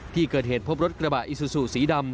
ที่เกิดเหตุพบรถกระบะอิซูซูสีดำ